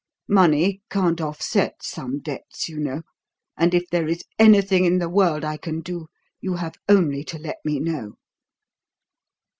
Money can't offset some debts, you know; and if there is anything in the world I can do, you have only to let me know."